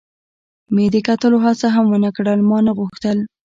مې د کتلو هڅه هم و نه کړل، ما نه غوښتل.